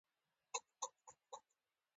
رسوب د افغانستان د چاپیریال ساتنې لپاره مهم دي.